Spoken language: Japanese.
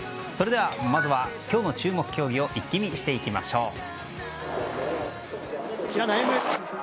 それではまずは今日の注目競技を一気見していきましょう。